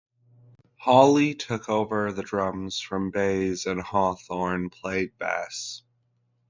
Hawley took over the drums from Bays and Hawthorne played bass.